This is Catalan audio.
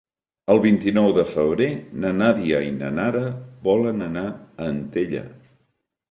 El vint-i-nou de febrer na Nàdia i na Nara volen anar a Antella.